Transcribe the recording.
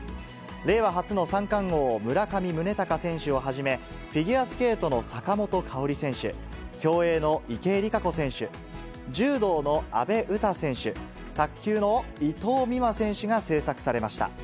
令和初の三冠王、村上宗隆選手をはじめ、フィギュアスケートの坂本花織選手、競泳の池江璃花子選手、柔道の阿部詩選手、卓球の伊藤美誠選手が制作されました。